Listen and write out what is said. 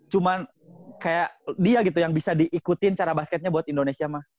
cuman kayak dia gitu yang bisa diikutin cara basketnya buat indonesia mah